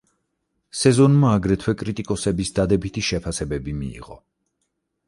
სეზონმა აგრეთვე კრიტიკოსების დადებითი შეფასებები მიიღო.